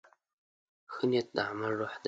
ښه نیت د عمل روح دی.